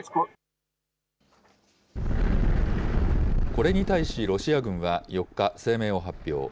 これに対しロシア軍は４日、声明を発表。